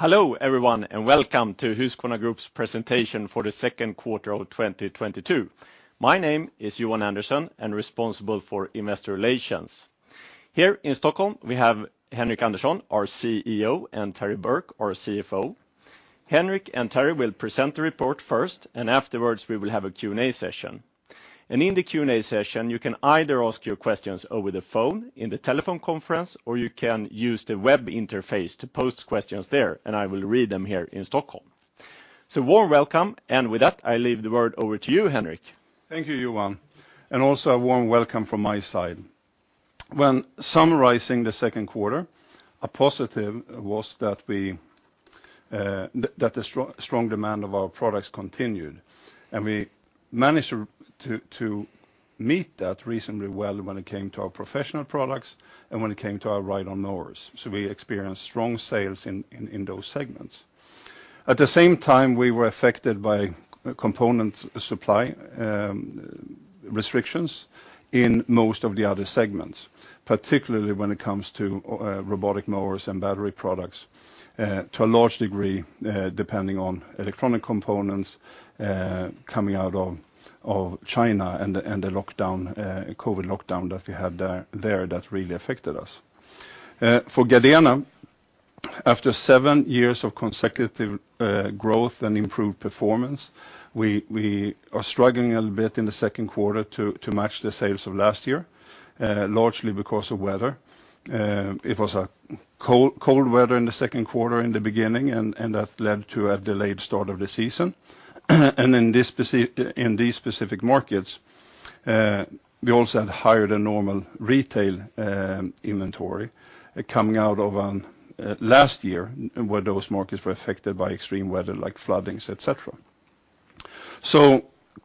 Hello everyone, and welcome to Husqvarna Group's presentation for the second quarter of 2022. My name is Johan Andersson, and responsible for investor relations. Here in Stockholm, we have Henric Andersson, our CEO, and Terry Burke, our CFO. Henric and Terry will present the report first, and afterwards we will have a Q&A session. In the Q&A session, you can either ask your questions over the phone in the telephone conference, or you can use the web interface to post questions there, and I will read them here in Stockholm. Warm welcome. With that, I leave the word over to you, Henric. Thank you, Johan. Also a warm welcome from my side. When summarizing the second quarter, a positive was that the strong demand of our products continued. We managed to meet that reasonably well when it came to our professional products and when it came to our ride-on mowers. We experienced strong sales in those segments. At the same time, we were affected by component supply restrictions in most of the other segments, particularly when it comes to robotic mowers and battery products to a large degree depending on electronic components coming out of China and the COVID lockdown that we had there that really affected us. For Gardena, after seven years of consecutive growth and improved performance, we are struggling a bit in the second quarter to match the sales of last year, largely because of weather. It was cold weather in the second quarter in the beginning, and that led to a delayed start of the season. In these specific markets, we also had higher than normal retail inventory coming out of last year, where those markets were affected by extreme weather like floodings, et cetera.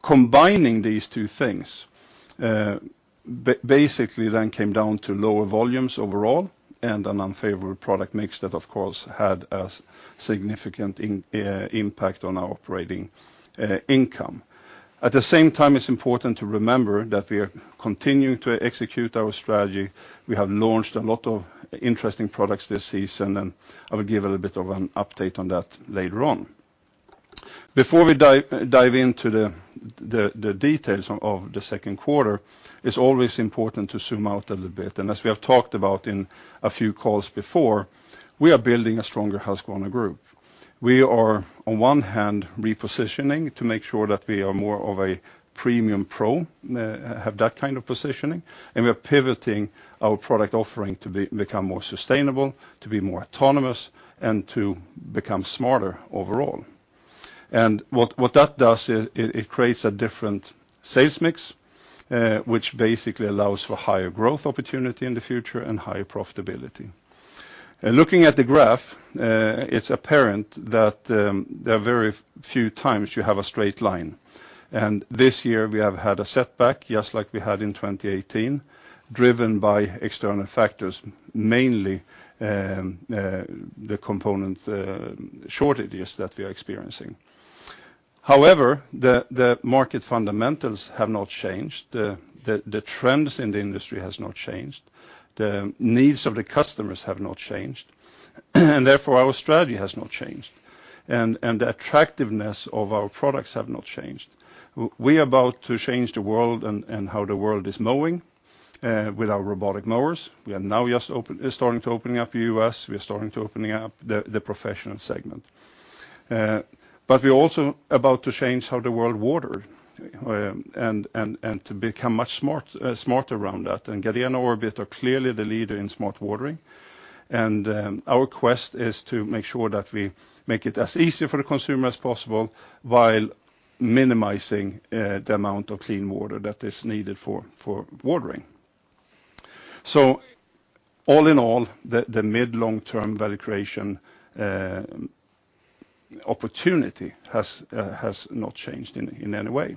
Combining these two things, basically then came down to lower volumes overall and an unfavorable product mix that of course had a significant impact on our operating income. At the same time, it's important to remember that we are continuing to execute our strategy. We have launched a lot of interesting products this season, and I will give a little bit of an update on that later on. Before we dive into the details of the second quarter, it's always important to zoom out a little bit. As we have talked about in a few calls before, we are building a stronger Husqvarna Group. We are on one hand repositioning to make sure that we are more of a premium pro, have that kind of positioning, and we are pivoting our product offering to become more sustainable, to be more autonomous, and to become smarter overall. What that does is it creates a different sales mix, which basically allows for higher growth opportunity in the future and higher profitability. Looking at the graph, it's apparent that there are very few times you have a straight line. This year we have had a setback, just like we had in 2018, driven by external factors, mainly the component shortages that we are experiencing. However, the market fundamentals have not changed. The trends in the industry has not changed. The needs of the customers have not changed, and therefore our strategy has not changed. The attractiveness of our products have not changed. We are about to change the world and how the world is mowing with our robotic mowers. We are now just starting to open up the U.S. We are starting to open up the professional segment. We are also about to change how the world waters and to become much smarter around that. Gardena and Orbit are clearly the leader in smart watering. Our quest is to make sure that we make it as easy for the consumer as possible while minimizing the amount of clean water that is needed for watering. All in all, the mid long-term value creation opportunity has not changed in any way.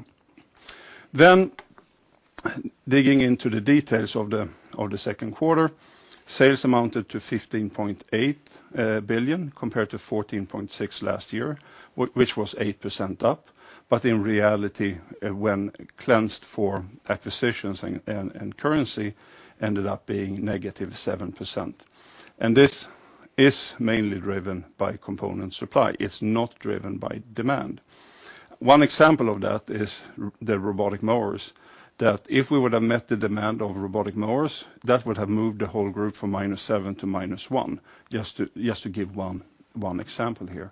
Digging into the details of the second quarter, sales amounted to 15.8 billion, compared to 14.6 billion last year, which was 8% up. In reality, when cleansed for acquisitions and currency, ended up being -7%. This is mainly driven by component supply. It's not driven by demand. One example of that is the robotic mowers, that if we would have met the demand of robotic mowers, that would have moved the whole group from -7% to -1%, just to give one example here.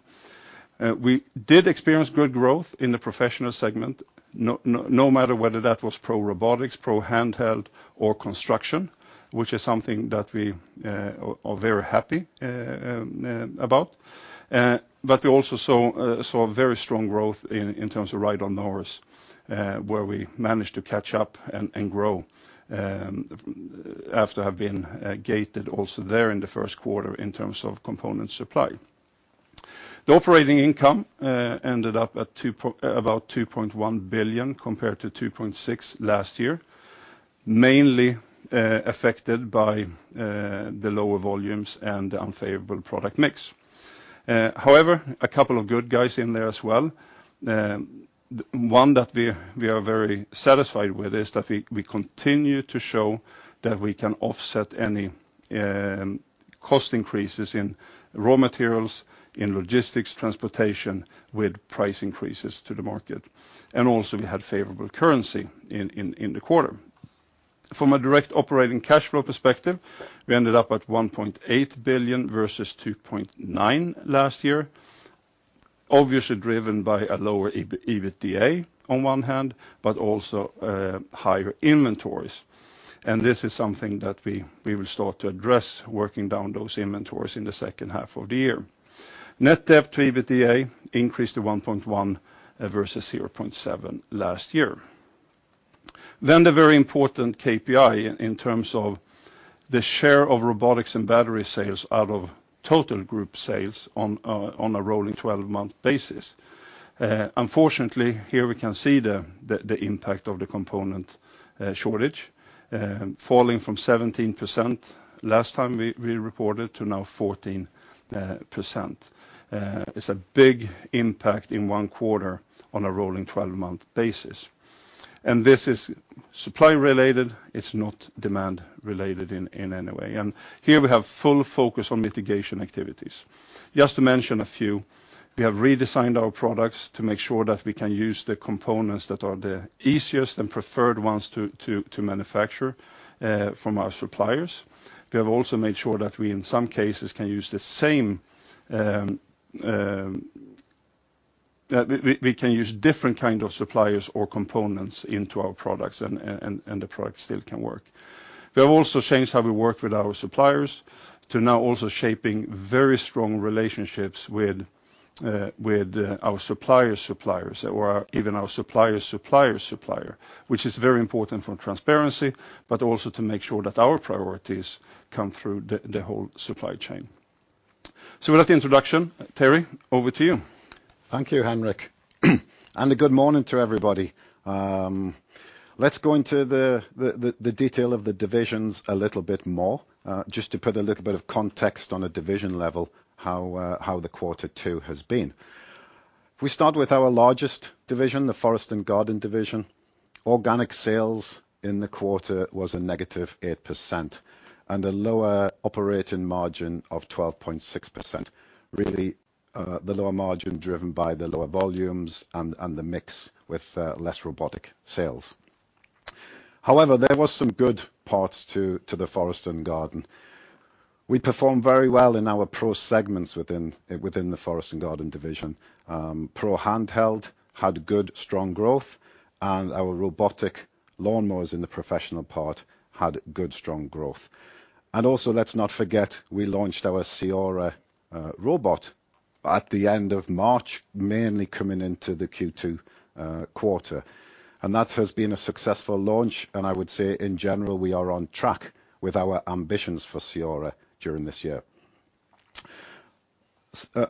We did experience good growth in the professional segment, no matter whether that was pro robotics, pro handheld or construction, which is something that we are very happy about. But we also saw a very strong growth in terms of ride-on mowers, where we managed to catch up and grow, after have been gated also there in the first quarter in terms of component supply. The operating income ended up at about 2.1 billion compared to 2.6 billion last year, mainly affected by the lower volumes and the unfavorable product mix. However, a couple of good guys in there as well. One that we are very satisfied with is that we continue to show that we can offset any cost increases in raw materials, in logistics, transportation with price increases to the market. Also we had favorable currency in the quarter. From a direct operating cash flow perspective, we ended up at 1.8 billion versus 2.9 billion last year. Obviously driven by a lower EBITDA on one hand, but also higher inventories. This is something that we will start to address working down those inventories in the second half of the year. Net debt to EBITDA increased to 1.1 versus 0.7 last year. The very important KPI in terms of the share of robotics and battery sales out of total group sales on a rolling twelve-month basis. Unfortunately, here we can see the impact of the component shortage falling from 17% last time we reported to now 14%. It's a big impact in one quarter on a rolling twelve-month basis. This is supply related, it's not demand related in any way. Here we have full focus on mitigation activities. Just to mention a few, we have redesigned our products to make sure that we can use the components that are the easiest and preferred ones to manufacture from our suppliers. We have also made sure that we, in some cases, can use different kind of suppliers or components into our products and the product still can work. We have also changed how we work with our suppliers to now also shaping very strong relationships with our supplier's suppliers or even our supplier's supplier's supplier, which is very important for transparency, but also to make sure that our priorities come through the whole supply chain. With that introduction, Terry, over to you. Thank you, Henric. A good morning to everybody. Let's go into the detail of the divisions a little bit more, just to put a little bit of context on a division level, how the quarter two has been. We start with our largest division, the Forest & Garden division. Organic sales in the quarter was -8% and a lower operating margin of 12.6%. Really, the lower margin driven by the lower volumes and the mix with less robotic sales. However, there was some good parts to the Forest & Garden. We performed very well in our pro segments within the Forest & Garden division. Pro handheld had good, strong growth, and our robotic lawnmowers in the professional part had good, strong growth. Also, let's not forget, we launched our CEORA robot at the end of March, mainly coming into the Q2 quarter. That has been a successful launch, and I would say in general, we are on track with our ambitions for CEORA during this year.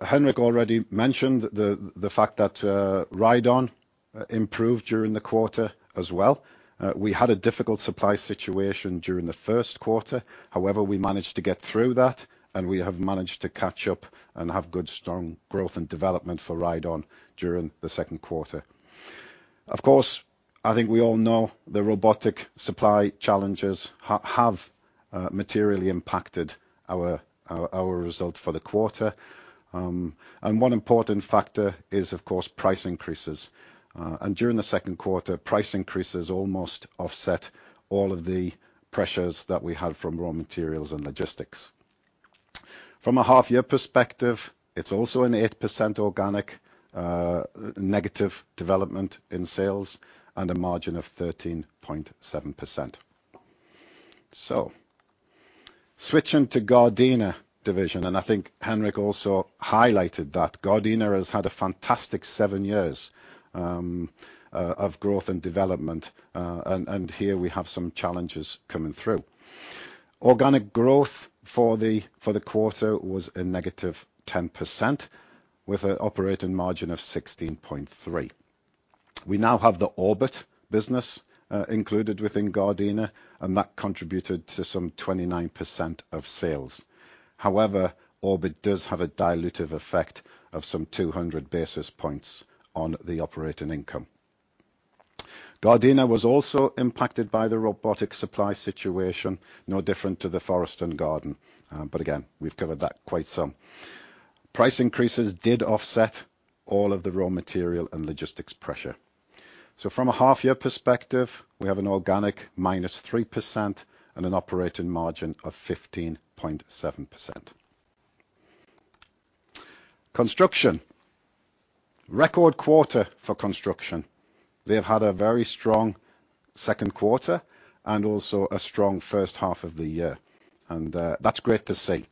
Henrik already mentioned the fact that ride-on improved during the quarter as well. We had a difficult supply situation during the first quarter. However, we managed to get through that, and we have managed to catch up and have good, strong growth and development for ride-on during the second quarter. Of course, I think we all know the robotic supply challenges have materially impacted our result for the quarter. One important factor is, of course, price increases. During the second quarter, price increases almost offset all of the pressures that we had from raw materials and logistics. From a half-year perspective, it's also an 8% organic negative development in sales and a margin of 13.7%. Switching to Gardena Division, I think Henric also highlighted that Gardena has had a fantastic seven years of growth and development, and here we have some challenges coming through. Organic growth for the quarter was a negative 10% with an operating margin of 16.3%. We now have the Orbit business included within Gardena, and that contributed to some 29% of sales. However, Orbit does have a dilutive effect of some 200 basis points on the operating income. Gardena was also impacted by the robotic supply situation, no different to the Forest & Garden. Price increases did offset all of the raw material and logistics pressure. From a half-year perspective, we have an organic -3% and an operating margin of 15.7%. Construction. Record quarter for construction. They've had a very strong second quarter and also a strong first half of the year, and that's great to see.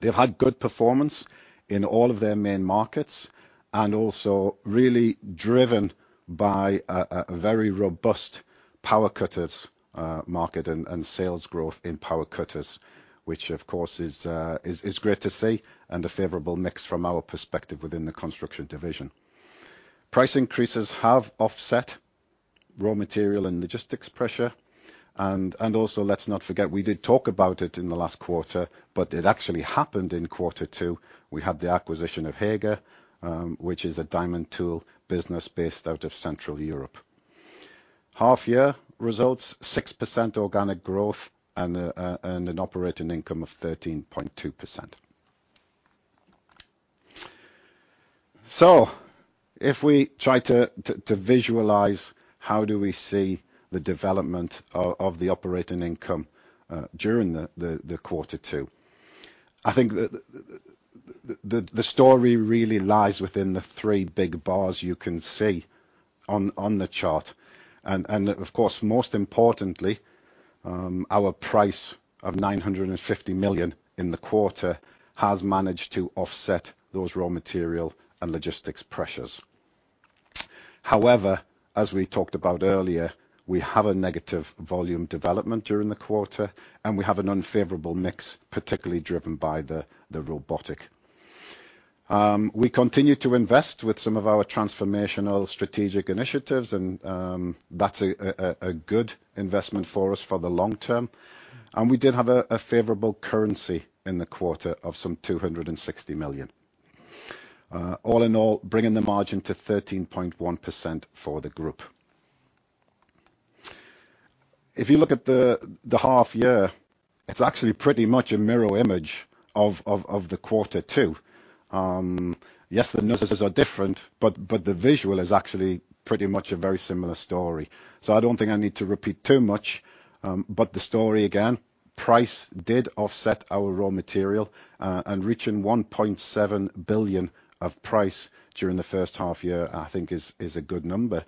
They've had good performance in all of their main markets and also really driven by a very robust power cutters market and sales growth in power cutters, which of course is great to see and a favorable mix from our perspective within the construction division. Price increases have offset raw material and logistics pressure. Let's not forget, we did talk about it in the last quarter, but it actually happened in quarter two. We had the acquisition of Heger, which is a diamond tool business based out of Central Europe. Half year results, 6% organic growth and an operating income of 13.2%. If we try to visualize how do we see the development of the operating income during the quarter two, I think the story really lies within the three big bars you can see on the chart. Of course, most importantly, our price of 950 million in the quarter has managed to offset those raw material and logistics pressures. However, as we talked about earlier, we have a negative volume development during the quarter, and we have an unfavorable mix, particularly driven by the robotic. We continue to invest with some of our transformational strategic initiatives, and that's a good investment for us for the long term. We did have a favorable currency in the quarter of some 260 million. All in all, bringing the margin to 13.1% for the group. If you look at the half year, it's actually pretty much a mirror image of the quarter two. Yes, the numbers are different, but the visual is actually pretty much a very similar story. I don't think I need to repeat too much, but the story again, price did offset our raw material, and reaching 1.7 billion of price during the first half year, I think is a good number.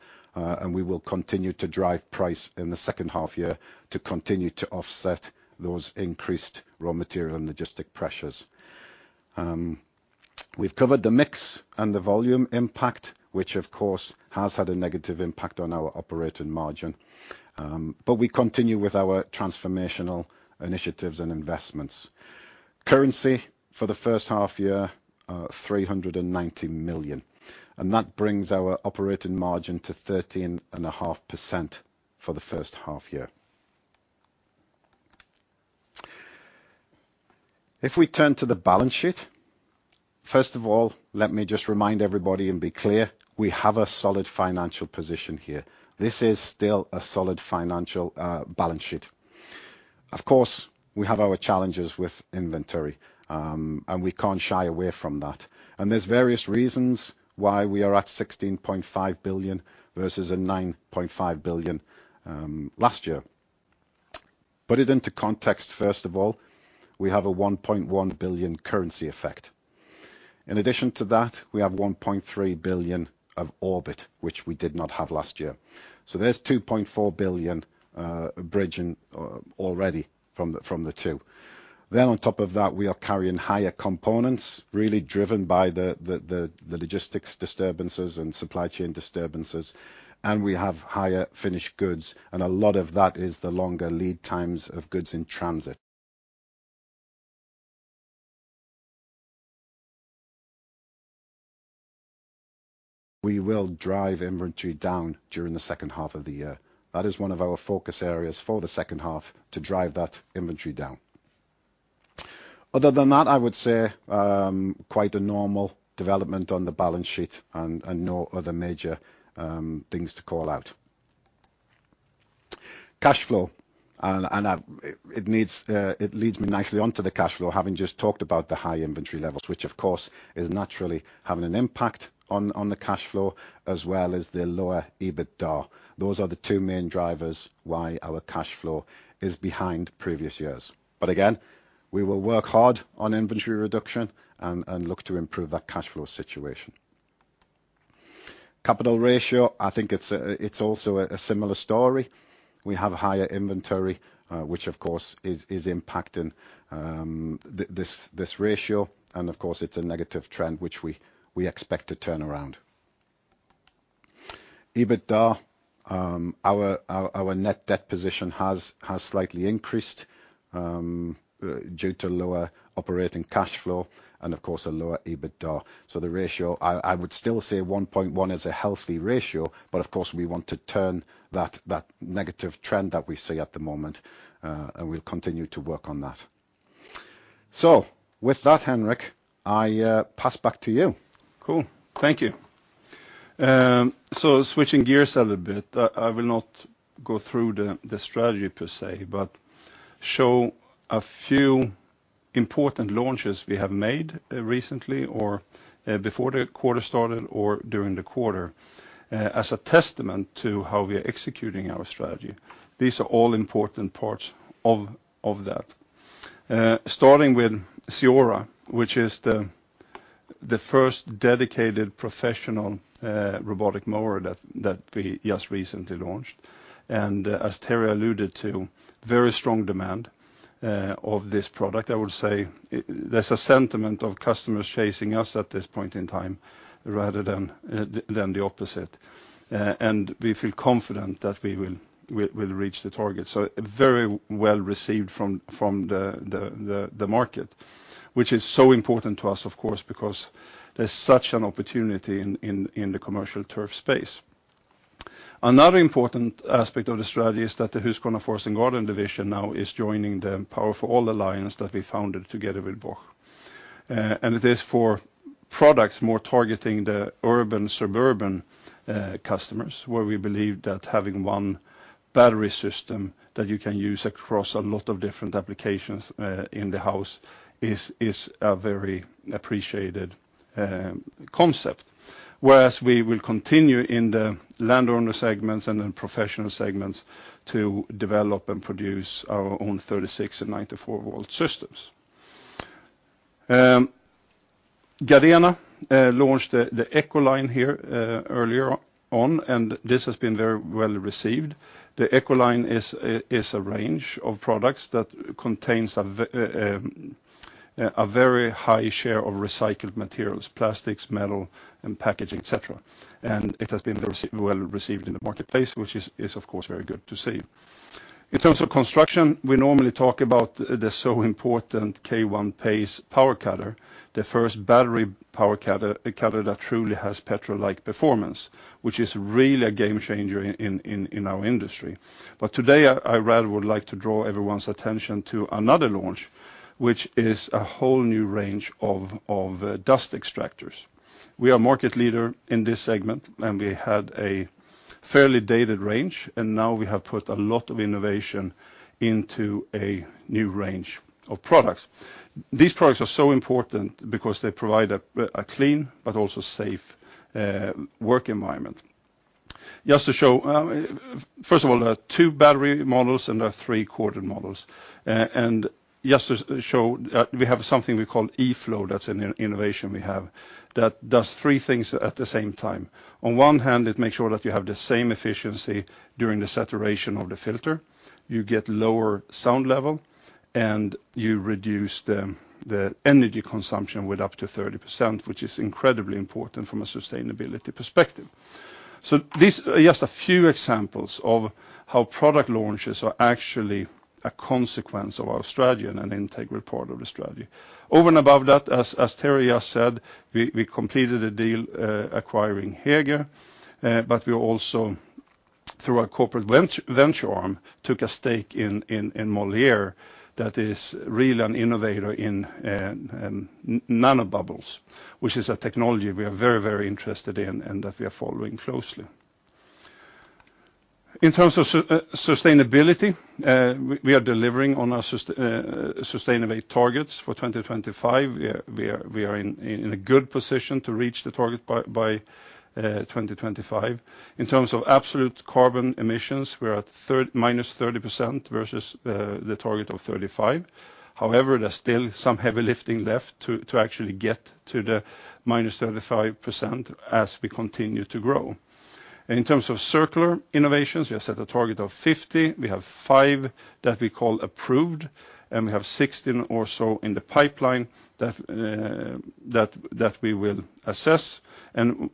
We will continue to drive price in the second half year to continue to offset those increased raw material and logistic pressures. We've covered the mix and the volume impact, which of course, has had a negative impact on our operating margin. But we continue with our transformational initiatives and investments. Currency for the first half year, 390 million. That brings our operating margin to 13.5% for the first half year. If we turn to the balance sheet, first of all, let me just remind everybody and be clear, we have a solid financial position here. This is still a solid financial balance sheet. Of course, we have our challenges with inventory, and we can't shy away from that. There's various reasons why we are at 16.5 billion versus a 9.5 billion last year. Put it into context, first of all, we have a 1.1 billion currency effect. In addition to that, we have 1.3 billion of Orbit, which we did not have last year. There's 2.4 billion bridging already from the two. On top of that, we are carrying higher components, really driven by the logistics disturbances and supply chain disturbances, and we have higher finished goods, and a lot of that is the longer lead times of goods in transit. We will drive inventory down during the second half of the year. That is one of our focus areas for the second half to drive that inventory down. Other than that, I would say quite a normal development on the balance sheet and no other major things to call out. Cash flow and it leads me nicely onto the cash flow, having just talked about the high inventory levels, which of course is naturally having an impact on the cash flow as well as the lower EBITDA. Those are the two main drivers why our cash flow is behind previous years. Again, we will work hard on inventory reduction and look to improve that cash flow situation. Capital ratio, I think it's also a similar story. We have higher inventory, which of course is impacting this ratio. Of course, it's a negative trend which we expect to turn around. EBITDA, our net debt position has slightly increased due to lower operating cash flow and of course, a lower EBITDA. The ratio, I would still say 1.1 is a healthy ratio, but of course, we want to turn that negative trend that we see at the moment, and we'll continue to work on that. With that, Henric, I pass back to you. Cool. Thank you. Switching gears a little bit. I will not go through the strategy per se, but show a few important launches we have made, recently or before the quarter started or during the quarter, as a testament to how we are executing our strategy. These are all important parts of that. Starting with CEORA, which is the first dedicated professional robotic mower that we just recently launched. As Terry alluded to, very strong demand of this product. I would say there's a sentiment of customers chasing us at this point in time rather than the opposite. We feel confident that we will reach the target. Very well received from the market, which is so important to us, of course, because there's such an opportunity in the commercial turf space. Another important aspect of the strategy is that the Husqvarna Forest & Garden Division now is joining the Power for All Alliance that we founded together with Bosch, and it is for products more targeting the urban, suburban, customers where we believe that having one battery system that you can use across a lot of different applications in the house is a very appreciated concept. Whereas we will continue in the landowner segments and in professional segments to develop and produce our own 36- and 94-volt systems. Gardena launched the EcoLine here earlier on, and this has been very well received. The EcoLine is a range of products that contains a very high share of recycled materials, plastics, metal and packaging, et cetera. It has been well received in the marketplace, which is of course very good to see. In terms of construction, we normally talk about the so important K1 PACE power cutter, the first battery power cutter that truly has petrol-like performance, which is really a game changer in our industry. Today I rather would like to draw everyone's attention to another launch, which is a whole new range of dust extractors. We are market leader in this segment, and we had a fairly dated range, and now we have put a lot of innovation into a new range of products. These products are so important because they provide a clean but also safe work environment. Just to show, first of all, there are two battery models and there are three quarter models. Just to show that we have something we call e-flow, that's an innovation we have that does three things at the same time. On one hand, it makes sure that you have the same efficiency during the saturation of the filter. You get lower sound level, and you reduce the energy consumption with up to 30%, which is incredibly important from a sustainability perspective. This just a few examples of how product launches are actually a consequence of our strategy and an integral part of the strategy. Over and above that, as Terry has said, we completed a deal acquiring Heger. We also, through our corporate venture arm, took a stake in Moleaer that is really an innovator in nanobubbles, which is a technology we are very interested in and that we are following closely. In terms of sustainability, we are delivering on our Sustainovate targets for 2025. We are in a good position to reach the target by 2025. In terms of absolute carbon emissions, we are at thirty -30% versus the target of 35%. However, there's still some heavy lifting left to actually get to the -35% as we continue to grow. In terms of circular innovations, we have set a target of 50%. We have five that we call approved, and we have 16 or so in the pipeline that we will assess. When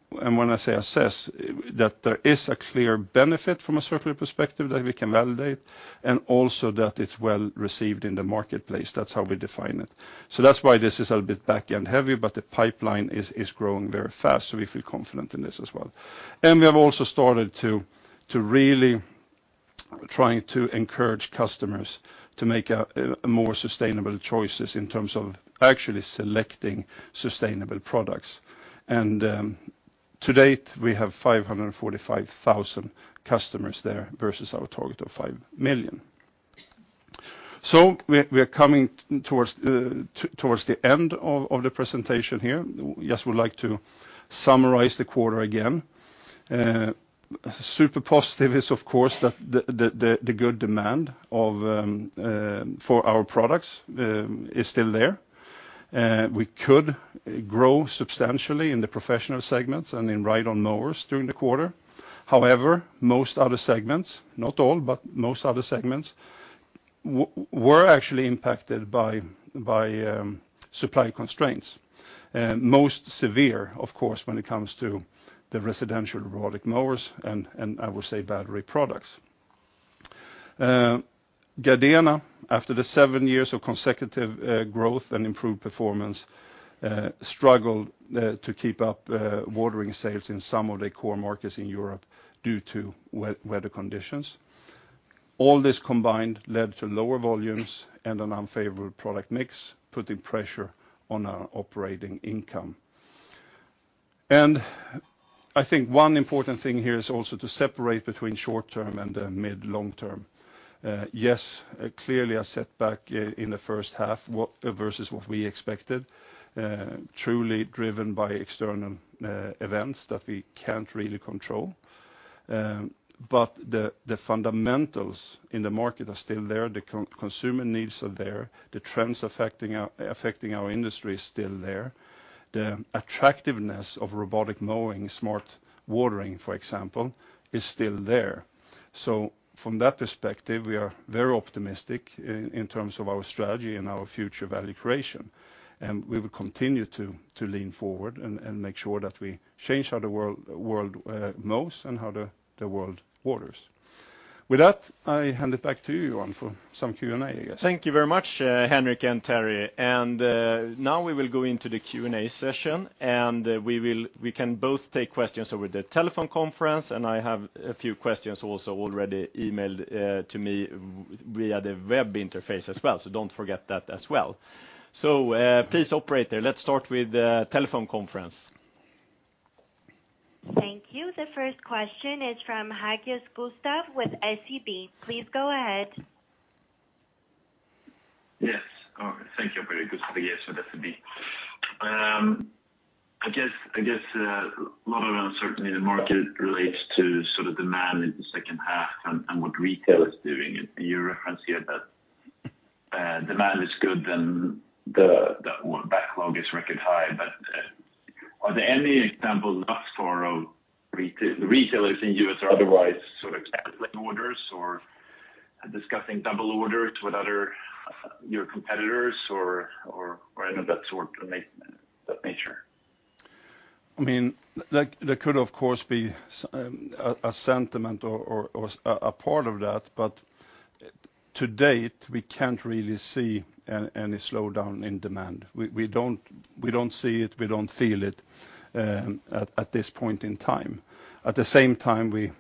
I say assess, that there is a clear benefit from a circular perspective that we can validate, and also that it's well received in the marketplace. That's how we define it. That's why this is a bit back-end heavy, but the pipeline is growing very fast, so we feel confident in this as well. We have also started to really trying to encourage customers to make more sustainable choices in terms of actually selecting sustainable products. To date, we have 545,000 customers there versus our target of five million. We are coming towards the end of the presentation here. Just would like to summarize the quarter again. Super positive is, of course, that the good demand for our products is still there. We could grow substantially in the professional segments and in ride-on mowers during the quarter. However, most other segments, not all, but most other segments were actually impacted by supply constraints. Most severe, of course, when it comes to the residential robotic mowers and I would say battery products. Gardena, after the seven years of consecutive growth and improved performance, struggled to keep up watering sales in some of their core markets in Europe due to weather conditions. All this combined led to lower volumes and an unfavorable product mix, putting pressure on our operating income. I think one important thing here is also to separate between short-term and mid-long-term. Yes, clearly a setback in the first half versus what we expected, truly driven by external events that we can't really control. The fundamentals in the market are still there. The consumer needs are there. The trends affecting our industry are still there. The attractiveness of robotic mowing, smart watering, for example, is still there. From that perspective, we are very optimistic in terms of our strategy and our future value creation, and we will continue to lean forward and make sure that we change how the world mows and how the world waters. With that, I hand it back to you, Johan, for some Q&A, I guess. Thank you very much, Henrik and Terry. Now we will go into the Q&A session, and we can both take questions over the telephone conference, and I have a few questions also already emailed to me via the web interface as well. Don't forget that as well. Please, operator, let's start with the telephone conference. The first question is from Gustav Hagéus with SEB. Please go ahead. Yes. All right, thank you. Very good. Yes, with SEB. I guess a lot of uncertainty in the market relates to sort of demand in the second half and what retail is doing. In your reference here that demand is good then the backlog is record high. Are there any examples thus far of retailers in U.S. or otherwise sort of orders or discussing double orders with other your competitors or any of that sort of that nature? I mean, like, there could of course be some, a sentiment or a part of that, but to date, we can't really see any slowdown in demand. We don't see it, we don't feel it at this point in time. At the same time, we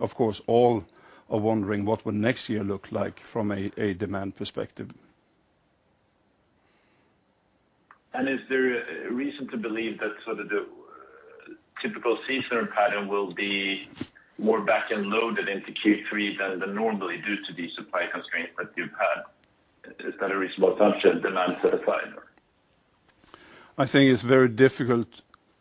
of course all are wondering what will next year look like from a demand perspective. Is there a reason to believe that sort of the typical seasonal pattern will be more back-ended loaded into Q3 than normally due to these supply constraints that you've had? Is that a reasonable assumption, demand satisfied? I think it's very difficult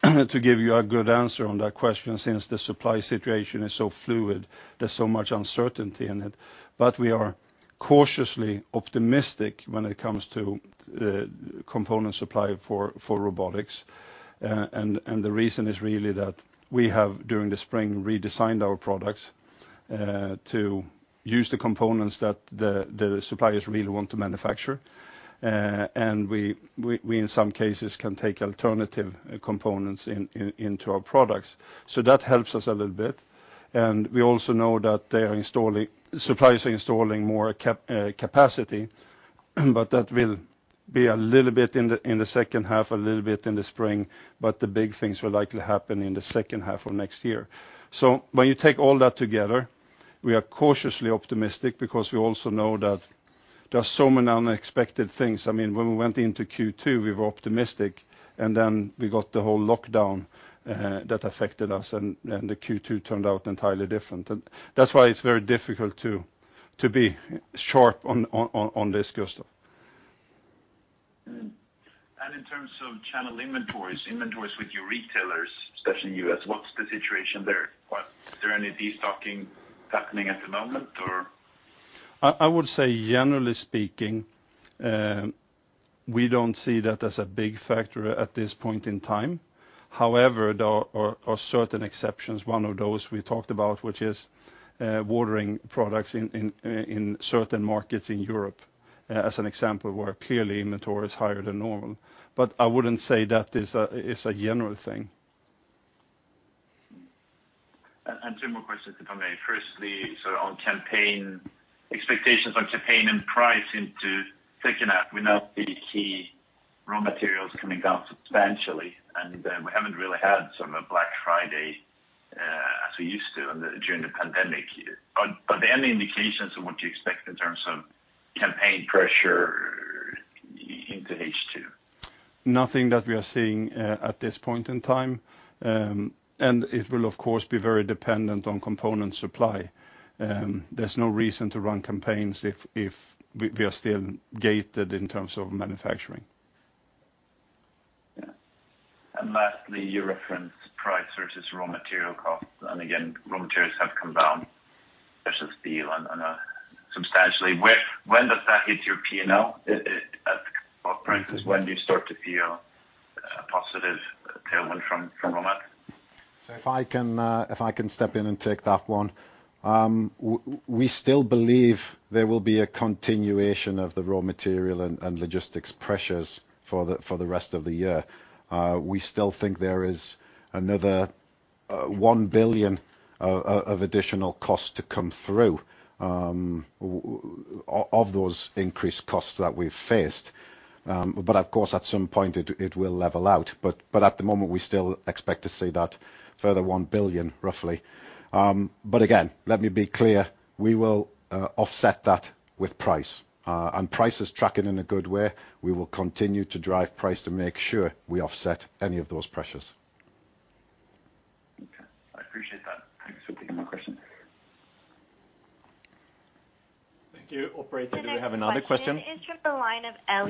to give you a good answer on that question since the supply situation is so fluid. There's so much uncertainty in it. We are cautiously optimistic when it comes to component supply for robotics. The reason is really that we have, during the spring, redesigned our products to use the components that the suppliers really want to manufacture. We, in some cases, can take alternative components into our products. That helps us a little bit. We also know that suppliers are installing more capacity, but that will be a little bit in the second half, a little bit in the spring, but the big things will likely happen in the second half of next year. When you take all that together, we are cautiously optimistic because we also know that there are so many unexpected things. I mean, when we went into Q2, we were optimistic, and then we got the whole lockdown that affected us and the Q2 turned out entirely different. That's why it's very difficult to be sharp on this, Gustav. In terms of channel inventories with your retailers, especially in the U.S., what's the situation there? Is there any destocking happening at the moment or? I would say generally speaking, we don't see that as a big factor at this point in time. However, there are certain exceptions. One of those we talked about, which is watering products in certain markets in Europe, as an example, where clearly inventory is higher than normal. I wouldn't say that is a general thing. Two more questions, if I may. Firstly, on campaign expectations on campaign and price into second half. We now see key raw materials coming down substantially, and then we haven't really had sort of a Black Friday as we used to during the pandemic year. Are there any indications of what you expect in terms of campaign pressure into H2? Nothing that we are seeing at this point in time. It will of course be very dependent on component supply. There's no reason to run campaigns if we are still gated in terms of manufacturing. Yeah. Lastly, you referenced price versus raw material costs. Again, raw materials have come down versus steel on a substantially. When does that hit your P&L, when do you start to feel a positive tailwind from raw mat? If I can step in and take that one. We still believe there will be a continuation of the raw material and logistics pressures for the rest of the year. We still think there is another 1 billion of additional costs to come through of those increased costs that we've faced. Of course, at some point it will level out. At the moment, we still expect to see that further 1 billion, roughly. Again, let me be clear, we will offset that with price. Price is tracking in a good way. We will continue to drive price to make sure we offset any of those pressures. Okay. I appreciate that. Thanks for taking my questions. Thank you. Operator, do you have another question? The next question is from the line of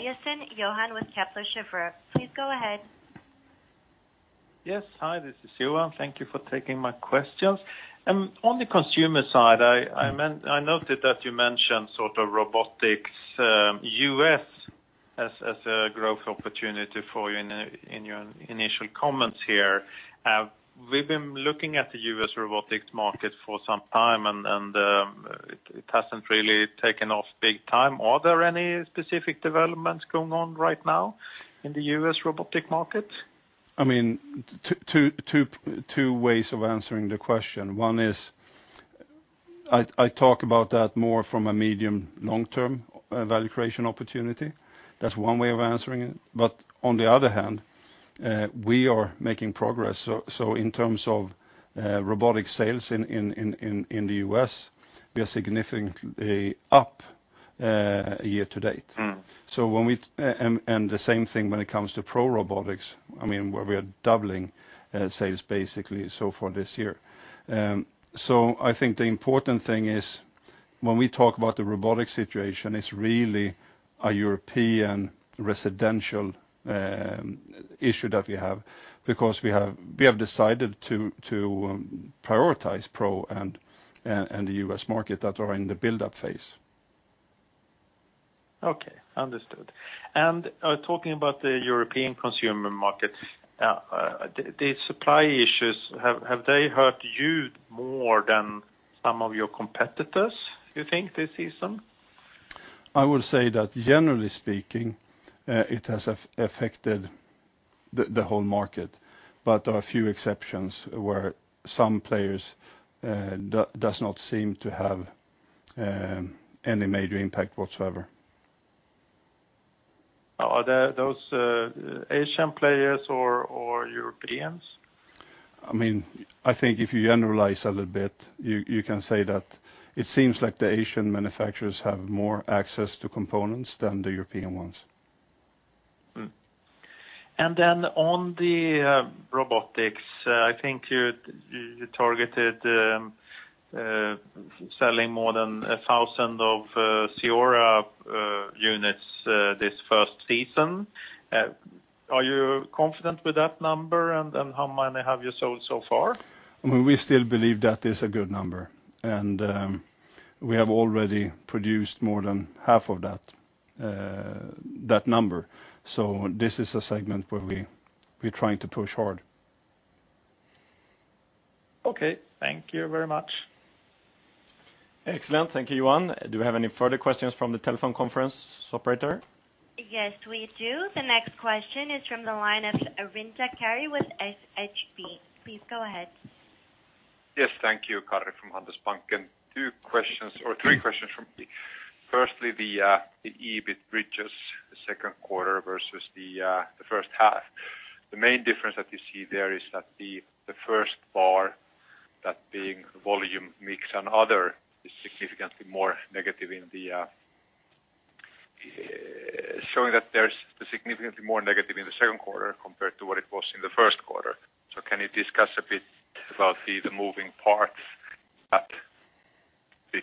Johan Eliasson with Kepler Cheuvreux. Please go ahead. Yes. Hi, this is Johan. Thank you for taking my questions. On the consumer side, I noted that you mentioned sort of robotics, U.S. as a growth opportunity for you in your initial comments here. We've been looking at the U.S robotics market for some time, and it hasn't really taken off big time. Are there any specific developments going on right now in the U.S. robotic market? I mean, two ways of answering the question. One is I talk about that more from a medium, long-term value creation opportunity. That's one way of answering it. On the other hand, we are making progress. In terms of robotic sales in the U.S., we are significantly up year to date. Mm-hmm. The same thing when it comes to pro robotics, I mean, where we are doubling sales basically so far this year. I think the important thing is when we talk about the robotics situation, it's really a European residential issue that we have because we have decided to prioritize pro and the U.S. market that are in the buildup phase. Okay. Understood. Talking about the European consumer markets, the supply issues, have they hurt you more than some of your competitors, you think this season? I will say that generally speaking, it has affected the whole market, but there are a few exceptions where some players do not seem to have any major impact whatsoever. Are those Asian players or Europeans? I mean, I think if you generalize a little bit, you can say that it seems like the Asian manufacturers have more access to components than the European ones. On the robotics, I think you targeted selling more than 1,000 of CEORA units this first season. Are you confident with that number? How many have you sold so far? I mean, we still believe that is a good number, and we have already produced more than half of that number. This is a segment where we're trying to push hard. Okay. Thank you very much. Excellent. Thank you, Johan. Do we have any further questions from the telephone conference, operator? Yes, we do. The next question is from the line of Arinder Carina with SHB. Please go ahead. Yes. Thank you. Carina Arinder from Handelsbanken. Two questions or three questions from me. Firstly, the EBIT bridges the second quarter versus the first half. The main difference that you see there is that the first bar, that being volume mix and other, is significantly more negative in the second quarter, showing that there's significantly more negative in the second quarter compared to what it was in the first quarter. Can you discuss a bit about the moving parts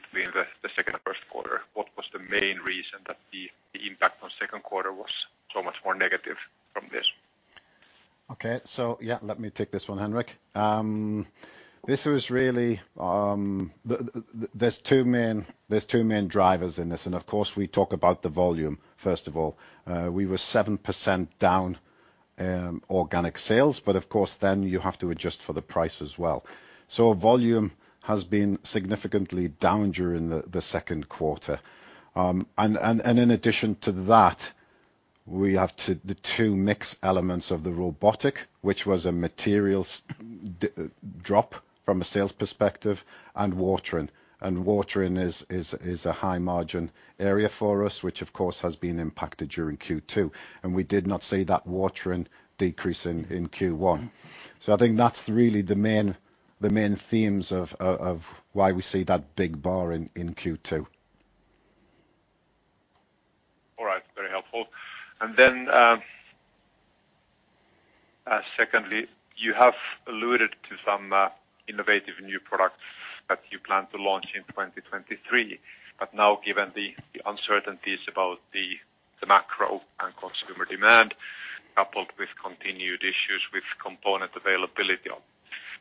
between the second and first quarter? What was the main reason that the impact on second quarter was so much more negative from this? Let me take this one, Henrik. This was really there are two main drivers in this, and of course we talk about the volume first of all. We were 7% down organic sales, but of course then you have to adjust for the price as well. Volume has been significantly down during the second quarter. In addition to that, the two mix elements of the robotic, which was a material drop from a sales perspective and watering. Watering is a high margin area for us, which of course has been impacted during Q2, and we did not see that watering decrease in Q1. I think that's really the main themes of why we see that big bar in Q2. All right. Very helpful. Secondly, you have alluded to some innovative new products that you plan to launch in 2023. Now given the uncertainties about the macro and consumer demand coupled with continued issues with component availability,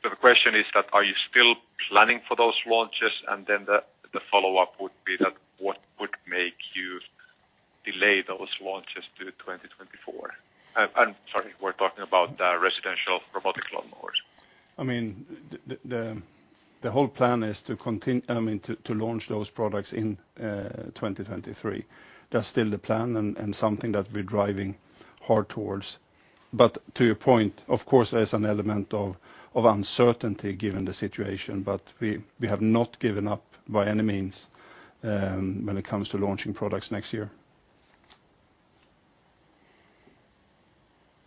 the question is, are you still planning for those launches? The follow-up would be that what would make you delay those launches to 2024? I'm sorry, we're talking about the residential robotic lawnmowers. I mean, the whole plan is to launch those products in 2023. That's still the plan and something that we're driving hard towards. To your point, of course, there's an element of uncertainty given the situation, but we have not given up by any means, when it comes to launching products next year.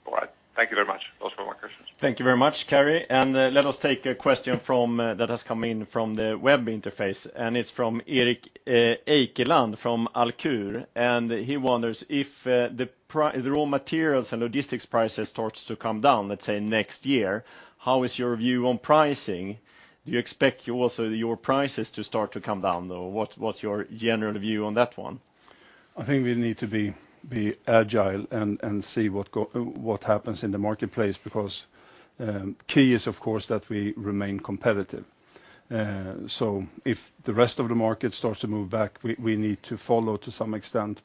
All right. Thank you very much. Those were my questions. Thank you very much, Carey. Let us take a question from that has come in from the web interface, and it's from Erik Eikeland from Alcur. He wonders if the raw materials and logistics prices starts to come down, let's say next year, how is your view on pricing? Do you expect also your prices to start to come down, though? What's your general view on that one? I think we need to be agile and see what happens in the marketplace because key is of course that we remain competitive. If the rest of the market starts to move back, we need to follow to some extent.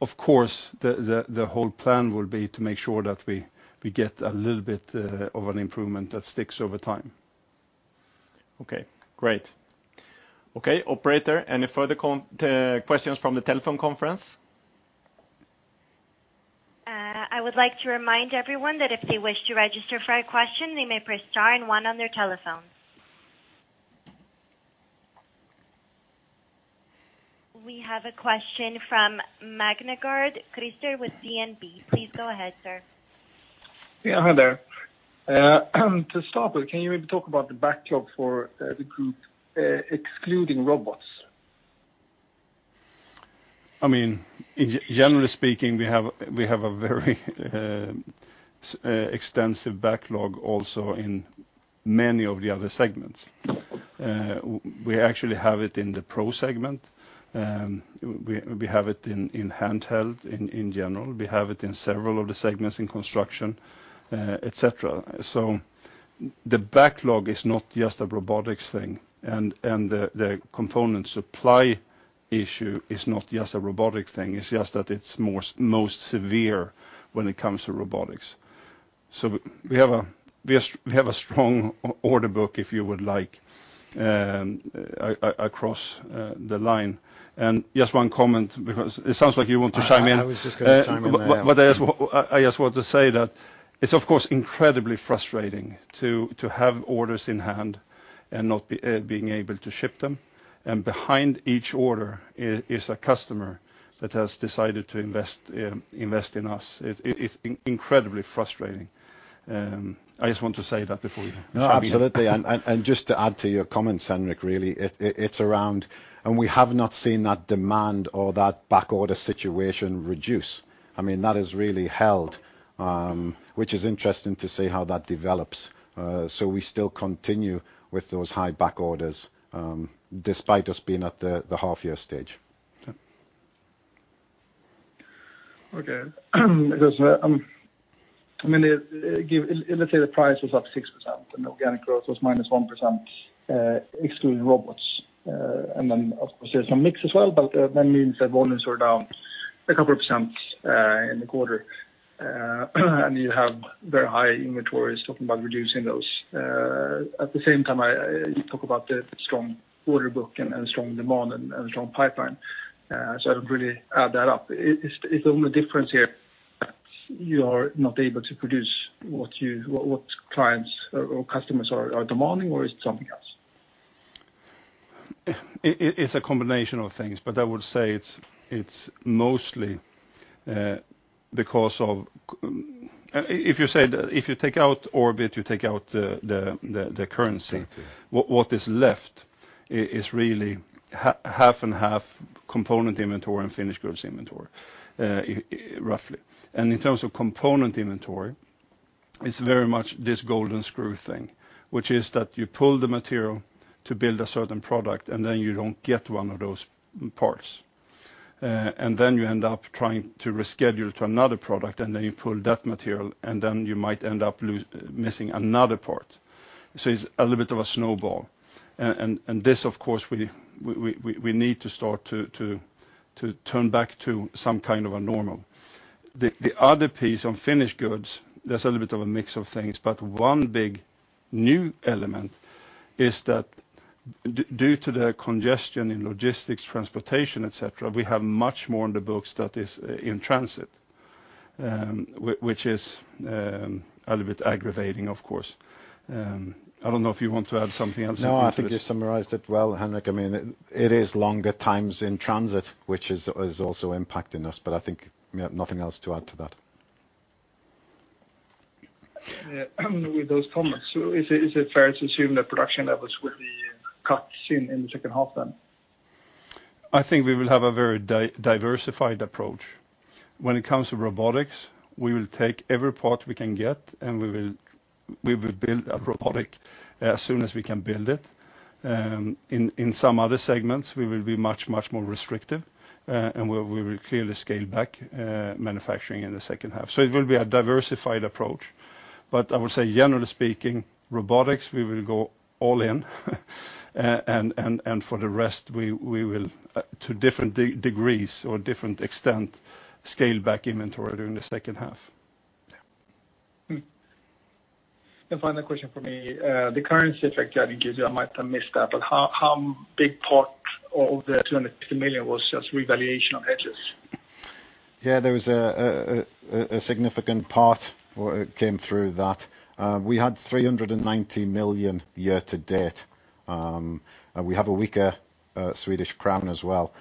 Of course, the whole plan will be to make sure that we get a little bit of an improvement that sticks over time. Okay. Great. Okay, operator, any further questions from the telephone conference? I would like to remind everyone that if they wish to register for a question, they may press star and one on their telephones. We have a question from Christer Magnergård with DNB. Please go ahead, sir. Yeah, hi there. To start with, can you maybe talk about the backlog for the group, excluding robots? I mean, generally speaking, we have a very extensive backlog also in many of the other segments. Yeah. We actually have it in the pro segment. We have it in handheld in general. We have it in several of the segments in construction, et cetera. The backlog is not just a robotics thing, and the component supply issue is not just a robotic thing. It's just that it's most severe when it comes to robotics. We have a strong order book, if you would like, across the line. Just one comment because it sounds like you want to chime in. I was just gonna chime in there. I just wanted to say that it's of course incredibly frustrating to have orders in hand and not being able to ship them. Behind each order is a customer that has decided to invest in us. It's incredibly frustrating. I just want to say that before you chime in. No, absolutely. Just to add to your comment, Henrik, really, it's around. We have not seen that demand or that backorder situation reduce. I mean, that has really held, which is interesting to see how that develops. We still continue with those high backorders, despite us being at the half-year stage. Yeah. Okay. I mean, let's say the price was up 6% and organic growth was -1%, excluding robots. Of course there's some mix as well, but that means that volumes are down a couple of percents in the quarter. You have very high inventories, talking about reducing those. At the same time, you talk about the strong order book and strong demand and strong pipeline, so I don't really add that up. Is the only difference here that you are not able to produce what your clients or customers are demanding, or it's something else? It's a combination of things, but I would say it's mostly because of. If you said, if you take out Orbit, you take out the currency. Okay What is left is really half and half component inventory and finished goods inventory, roughly. In terms of component inventory, it's very much this golden screw thing, which is that you pull the material to build a certain product, and then you don't get one of those parts. Then you end up trying to reschedule to another product, and then you pull that material, and then you might end up missing another part. It's a little bit of a snowball. This, of course, we need to start to turn back to some kind of a normal. The other piece on finished goods, there's a little bit of a mix of things, but one big new element is that due to the congestion in logistics, transportation, et cetera, we have much more on the books that is in transit, which is a little bit aggravating of course. I don't know if you want to add something else. No, I think you summarized it well, Henric. I mean, it is longer times in transit, which is also impacting us, but I think we have nothing else to add to that. Yeah. With those comments, is it fair to assume that production levels will be cut soon in the second half then? I think we will have a very diversified approach. When it comes to robotics, we will take every part we can get, and we will build a robot as soon as we can build it. In some other segments, we will be much more restrictive, and we will clearly scale back manufacturing in the second half. It will be a diversified approach. I would say generally speaking, robotics, we will go all in. For the rest, we will, to different degrees or different extent, scale back inventory during the second half. Yeah. The final question for me, the currency effect you gave, I might have missed that, but how big part of the 250 million was just revaluation of hedges? Yeah, there was a significant part where it came through that. We had 390 million year to date. We have a weaker Swedish crown as well.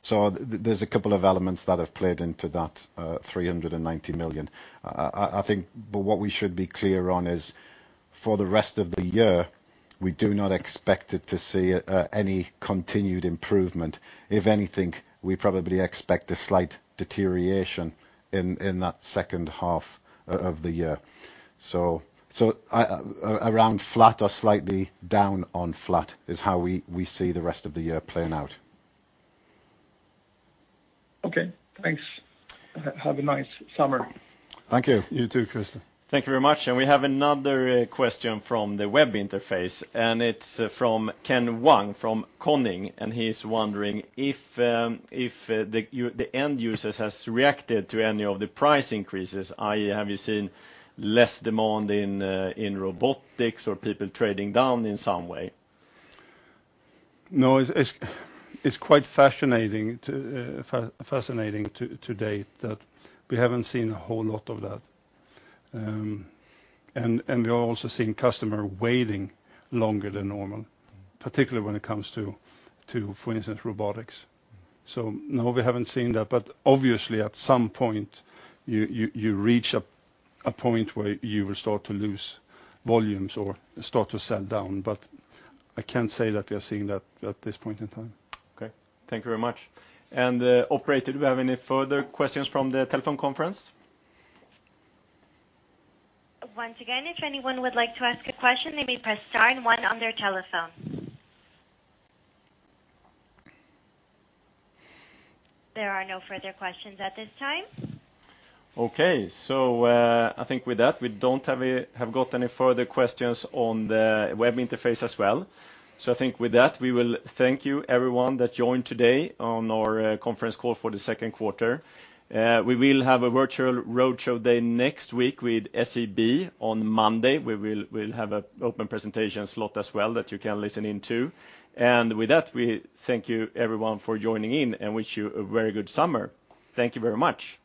So there's a couple of elements that have played into that, 390 million. I think but what we should be clear on is for the rest of the year, we do not expect it to see any continued improvement. If anything, we probably expect a slight deterioration in that second half of the year. I around flat or slightly down on flat is how we see the rest of the year playing out. Okay, thanks. Have a nice summer. Thank you. You too, Christer. Thank you very much. We have another question from the web interface, and it's from Ken Wang from, and he's wondering if the end users has reacted to any of the price increases, i.e., have you seen less demand in robotics or people trading down in some way? No, it's quite fascinating to date that we haven't seen a whole lot of that. We are also seeing customers waiting longer than normal, particularly when it comes to, for instance, robotics. No, we haven't seen that, but obviously at some point, you reach a point where you will start to lose volumes or start to sell down, but I can't say that we are seeing that at this point in time. Okay. Thank you very much. Operator, do we have any further questions from the telephone conference? Once again, if anyone would like to ask a question, they may press star one on their telephone. There are no further questions at this time. Okay. I think with that, we don't have any further questions on the web interface as well. I think with that, we will thank you everyone that joined today on our conference call for the second quarter. We will have a virtual roadshow day next week with SEB on Monday. We will have an open presentation slot as well that you can listen in to. With that, we thank you everyone for joining in and wish you a very good summer. Thank you very much.